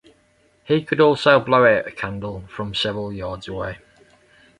He could also blow out a candle from several yards away.